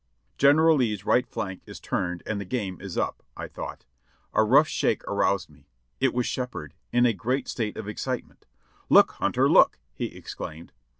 "General Lee's right flank is turned and the game is up," I thought. 556 JOHNNY REB AND BILLY YANK A rough shake aroused me ; it was Shepherd, in a great state of excitement. "Look, Hunter! Look!" he exclaimed.